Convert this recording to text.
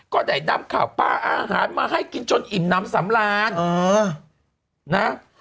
ก็ได้ดำข่าวปลาอาหารมาให้กินจนอิ่มน้ำสำราญนะ